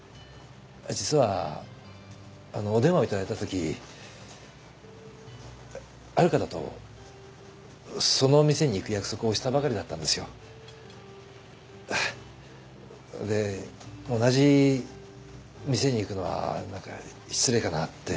実はお電話を頂いたときある方とそのお店に行く約束をしたばかりだったんですよ。で同じ店に行くのは何か失礼かなって。